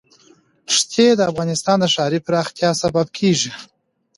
ښتې د افغانستان د ښاري پراختیا سبب کېږي.